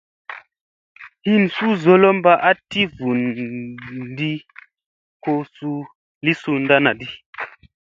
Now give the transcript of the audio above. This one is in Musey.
Hin suu zolomba a ti fundi ko suu li sundadi.